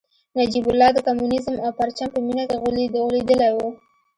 نجیب الله د کمونیزم او پرچم په مینه کې غولېدلی و